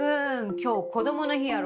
今日こどもの日やろ？